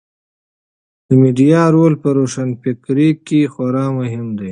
د میډیا رول په روښانفکرۍ کې خورا مهم دی.